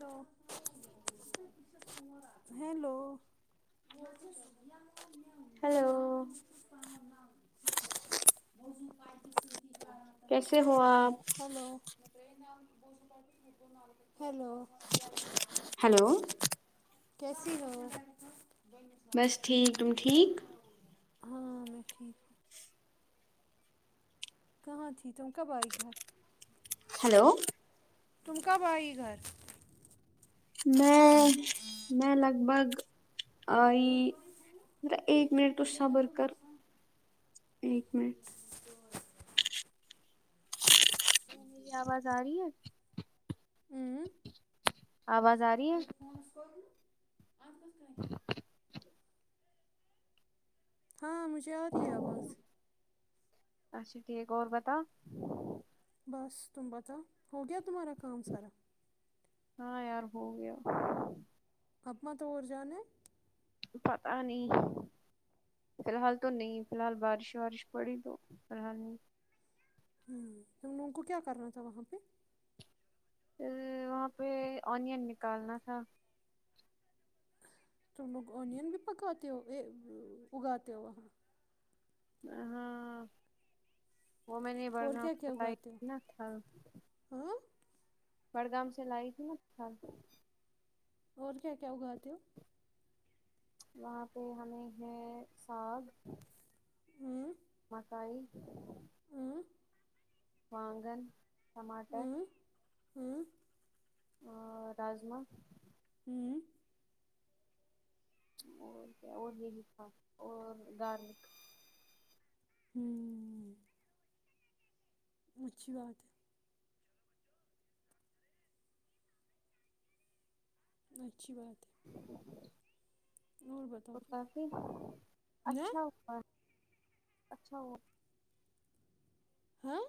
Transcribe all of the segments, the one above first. لو hello hello ووض پال کیسے ہو آپ ہیلو ا بس ہیلو ہلو کیسی ہو بس ٹھیک ب تم ب ٹھیک ہاں میں ٹھیک ہوں کہاں تھی توم کب آئیئی گھر ہلو تم کا بااہ گھر میں میں لگ بھگ آ مطلب ایک منٹ اس صبر کر ایک منٹ میری آواز آ رہی ہے آواز آ رہی ہے کت فونس کو ہاں مجھے آ رہی آواز اچھا ٹھیک اور پتا بس تم پتا ہو گیا تمہارا کام سارا ہاں یار ہو گیا اپنا طور جان ہے پت نہیں فی الحال تو نہیں فی الحال بارش وارش پڑی تو فی الحال نہیں ہ تو ہم لوگوں کو کیا کرنا تھا وہاں پہ پھر وہاں پہ اونین نکالنا تھا توم لوگ اوونین بھی پکات ہو اگاتے ہو ہاںاں وہ میں نے اور بڑگاؤں کیا سے کیا اگاتے بائنا ہو تھا ہاں بڑگام سے لائی تھی ن اور کیا کیا اگاتے ہو وہاں پہ ہمیں ہے ساگ ہوں مکائی ہوں وانگن ٹماٹر ہوں ہوں راجما ہوں اور کیا اور یہ ل تھاا اور گارلک ہوں اچھی بات ہے اچھی بات ہے اور بتاؤ تو پھر کافی نہ اچھا ہوا اچھا وہ ہاں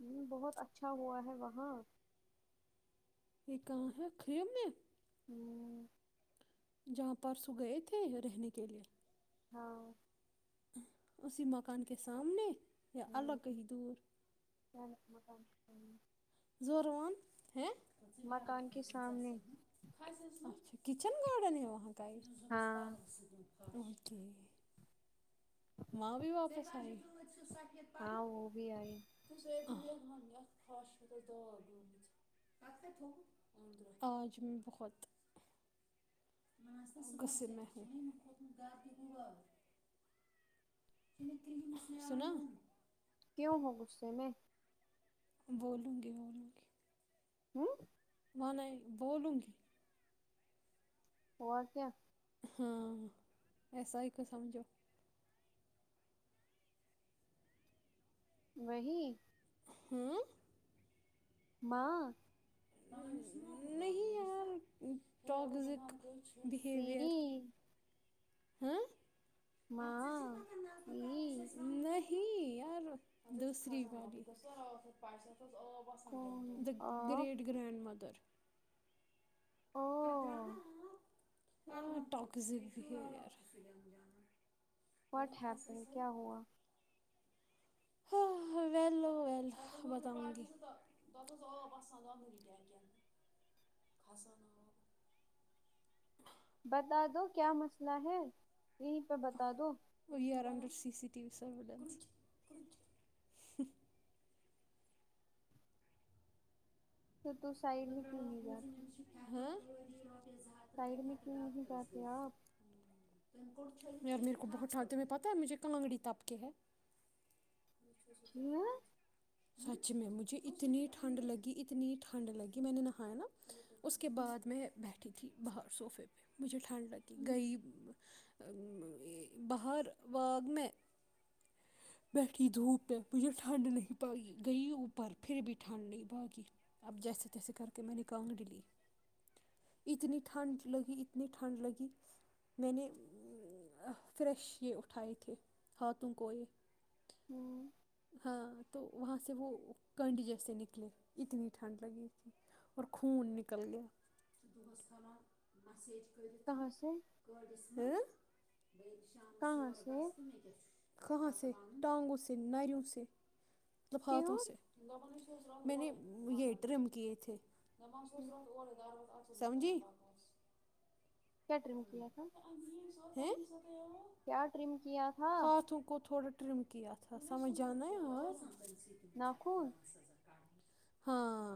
ہ بہت اچھا ہوا ہے وہاں یہ کہاں ہے کھم میں ہوں جہاں پرسو گئے تھے رہنے کے لیے ہاں اسی مکان کےے سامنے ہوں الگی دور کیا مقم زوران ہے مکان کے پھسس سامنے ماچ کچن گارڈن ہے وہ گ ہاں اوکے ماں بھی واپس آئی ہاں وہ بھی آئی [unintelligible] آج میں بہت سر محوم سناو کیوں ہو غصے میں؟ بولوں گی بولوں گی ہوں میںان بولوں گی اور کیا ہاں ایسا ہی کو سمجھو وہی ہوں م نہیں ہے ٹگزک سی بہیویر ہاں مع پ تھی یار دوسری باری کون دا of great grand mother oh toxic behaviour what happen کیا ہوا ہاں ہ ولو ولو بتاؤں گی بتا دو کیا مسئلہ ہے یہیں پہ بتا دو P R under C C T V surveillance پھر تو سائڈ میں کیوں نہیں جاتی ہاں سائڈ میں کیوں نہیں جاتے آپ میر کو بہت شانتے پتا ہے مجھے کانگڑی تب کے ہے س آ کیوں؟ سچ میں مجھے اتنی ٹھنڈ لگی اتنی ٹھنڈ لگی میں نے نہایا نا اس کے بعد میں بیٹھ تھی باہر سوفے پہ مجھے ٹھنڈ لگتی گئی باہر واگ میں بیٹھی دھوپ پ مجھے ٹھنڈ نہیں پاگی گئی اوپر پھر بھی ٹھنڈ نہیں پاگی اب جیسے تیسے کر کے میں نے کانگڑ لی اتنی ٹھنڈ لگی اتنی ٹھنڈ لگی میں نے فریش یہ اٹھائے تھے ہاتھوں کو یہ ہوں ہاں تو وہاں سے وہ کنڈ جیسے نکلے اتنی ٹھنڈ لگی تھی اور خون نکل گیا کہاں سے ہ کہاں سے خھ س ڈانگو سے نریوں خوش کیوں لطلفاتوں سے میں نے یہ ٹرم کیے تھے ہم، گ سمجھی کیٹریے مک تھا ہ کیا ٹرم کیا تھا کو تھوڑا ٹرم کیی آ تھا تھا سمجھان آاز ناک ہاں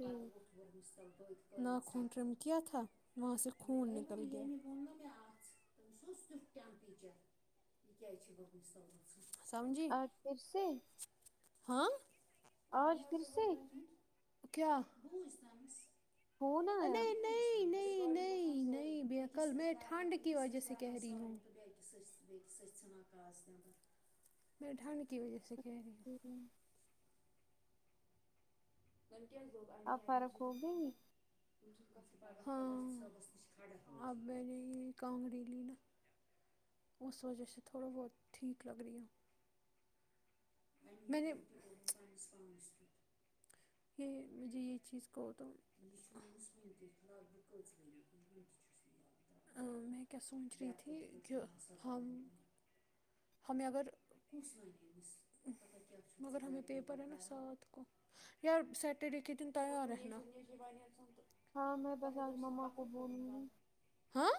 ہم، ناخونٹرم کیا تھا وہاں سے خون ن کم کے اور پھر سے ہاں آج پھرس کیا فون آیا نہیں نہیں نہیں نہیں نہیں ب کل میں ٹھنڈ کی وجہ سے کہہ رہی ہوں میں ٹھنڈ کی وجہ سے کہہ رہی ہوں ہ ا فرق ہوگئی ہاں آب جی کانگرییلی نا اس وجہ سے تھوڑا بہت ٹھیک لگ رہ آ میں نے یہ مجھے یہ چیز کہو تو میں کیا سوچ رہی تھی کہ ہم ہمیں اگر مگر ہمیں پیپر ہے نا سات کو یا سیٹرڈے کے دن تیار رہناا ہاں میں بس آج مما کو بولوں گی ہاں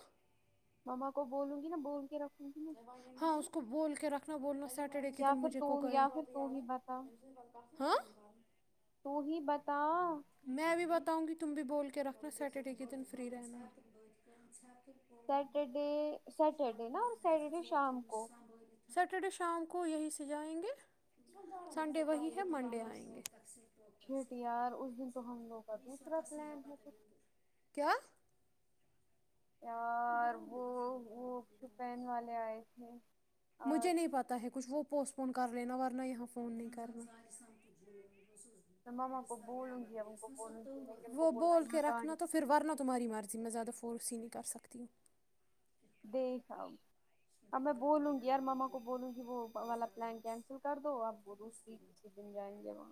مما کو بولوںی نا بول کے رکھ ہاں اس کو بول کے رکھنا بولنا سیٹرڈے کے یا دن پھر مجھے تو کوک ہے یا پھر تو ہی بتا ہاں تا میں بھی بتاؤں گی تم بھی بول کے رکھنا سٹرڈے کے دن فری رہنا ہے سیٹرڈے سیٹرڈے نا سیٹرڈے شام کو سٹرڈے شام کو یہی سے جائیں گے سنڈے وہی ہے منڈے آئیں گے کٹییار اس دن تو ہم لوگوں کا دوسرا پلان ہے پھر گرم گسان گان زادت ہاں مجھے نہیں پتا ہے کچھ وہ پوسٹ فون کر لین ورنہ یہاں فون نہیں کرنا میں ماما کو بولوں گی اب ان کو بولوں گی میں کہ ان کو وہ بولنا بول یہاں کے گاڑی رکھنا تو پھر ورنا تمہاری مرضی میں زیادہ فورس ہی نہیں کر سکتے پتیو د ہاؤ اب میں بولوں گی یار ماما کو بولوں گی وہ والا پلان کینسل کر دو اب بر فری کسیھ دن جان جمع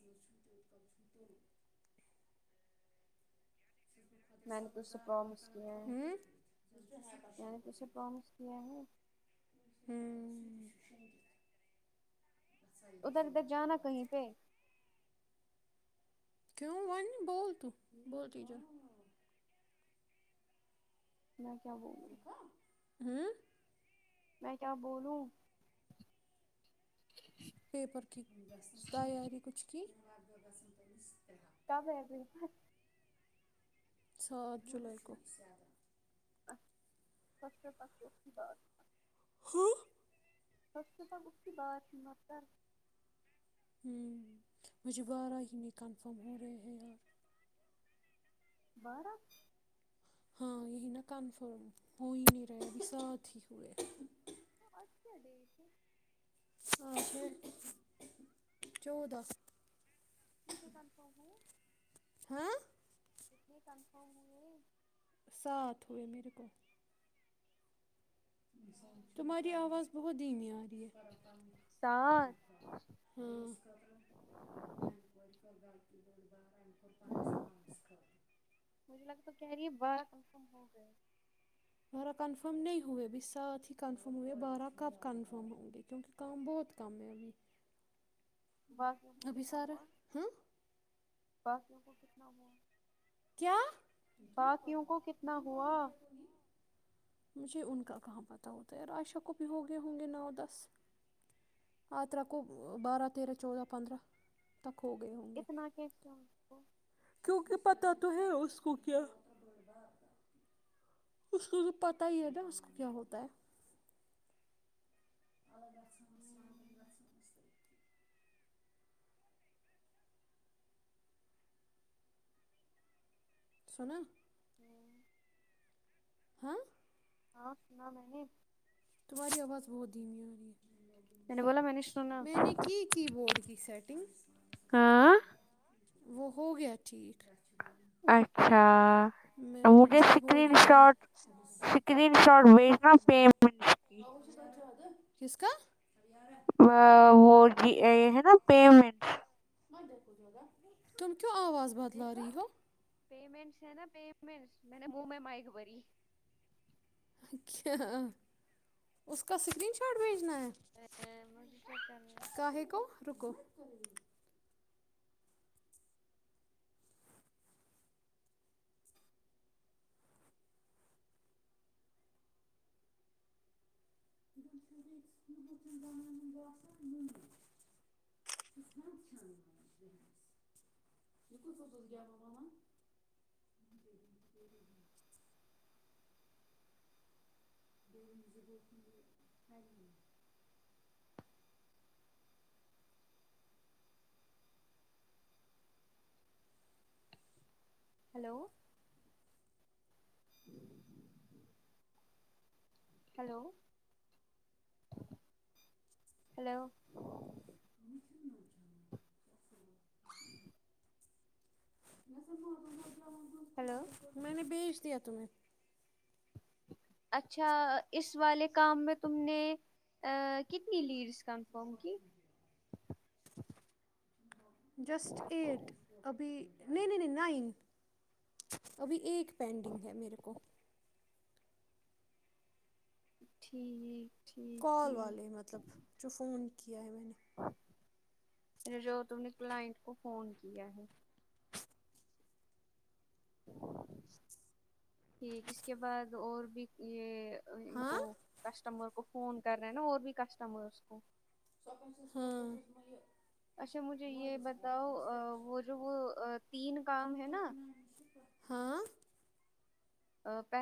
د کاب س دو میں نے تو سے پرومس کیا ہے میں نے تے پرومس کیا ہے ہوں ادھر ادھر جانا کہیں پہ کیوں ون بول تو بولتی جو میں کیا بولوں [unintelligible] ہوں میں کیا بولوں پیپر کی تیاری کچھ کی تو کب اب سات جولائی کو سب پ کی بات [unintelligible] ہی سب کے بب اس کی بات مر ہ مجھے بارہ ہی نہیں کنفرم ہو رہے ہیں یار بارت ہاں یہی نا کنفرم ہو ہی نہیں رہے اب ساتھ ہی ہوئے ا دییش ہ چودہ کتنے کنپ ہ ہاں کتنی کنفرم ہوئی ساتھ ہوئے میرے کو [unintelligible] تمہاری آواز بہت دین آئی سات ہاں نس کر مجھے لگا تو کہہ رہی ہے بارہ کنفرم ہو گئے بارہ کنفرم نہیں ہوئے اب ساتھ ہی کنفرم ہوئے بارہ کب کنفرم ہوں گے کیونکہ کام بہت کم ہے ابھی باقی کو ابھی کتنا سارا ہوا ہاں بقی کو کتنا ہوا باقیوں کو کتنا ہوا مجھ ان کا کام پت ہوتا ہے راائشہ کو بھی ہو گئے ہوں گے نو دس آترہ کو بارہ تیرہ چودہ پندرہ تک ہو اتنا کی کو کیوںکہ پتا تو ہے اس کو کیا اس کو تو پتا ہی ہے نا اس کو کیا ہوتا ہے الگ آان سناا ہاں ہاں سنا میں نے توہ وض بہت د میون یہ میں نے بولا میں نے سنا میں نے کی کی بورڈ کی سیٹ ج ہاں وہ ہو گیا ٹھیک اچھا میں نے مجھے جی بورڈ سکرین ہلا شاٹ سکرین شاٹ بھیجنا پیمن کی کس کا وہ ج یہ ہے نا پیمنٹ تم کیو آواز بدل رہی ہو ہو پیمنٹس ہے نا پیمنٹ میں نے منہ میں مائک بھری اچ اس کا اسکرین شاٹ بھیج مجھے چیک کرنا ہے کااہے کو رکو ہم بی مجز گ م فریم ہلو ج ہلو ہلو ہ ہلو میں نے بیج دیا تمہیں اچھا اس والے کام میں تم نے کتنی لیڈس کنفرم کی جسٹ ایٹ ابھی نہیں نہیں نہیں نائ ابھی ایک پینڈنگ ہے میرے کو ٹھیک ٹھیک کال ٹھیک والی مطلب جو فون کیا ہے بنے جوتم نے کلائنٹ کو فون کیا ہے ٹھیک اس کے بعد اور بھی یہ ان ہاں کو کسٹمر فون کر رہے ہیں نا اور بھی کسٹمرس کو ہاں اچھا مجھے یہ بتاؤ وہ جو وہ تین کام ہے نا ہاں ا پ